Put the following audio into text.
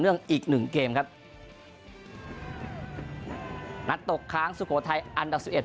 ต่อเนื่องอีกหนึ่งเกมครับนัดตกค้างสุโกไทยอันดับสิบเอ็ด